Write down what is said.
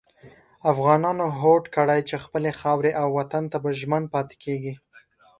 افغانانو هوډ کړی چې خپلې خاورې او وطن ته به ژمن پاتې کېږي.